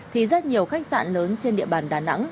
thì rất nhiều khách sạn lớn trên địa bàn đà nẵng